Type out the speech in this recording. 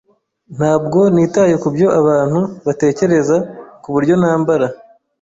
Ntabwo nitaye kubyo abantu batekereza kuburyo nambara.